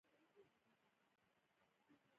خو تقديره له تا هم ډېر زړونه ګيلمن دي.